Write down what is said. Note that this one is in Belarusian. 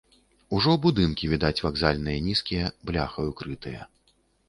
Ужо будынкі відаць вакзальныя нізкія, бляхаю крытыя.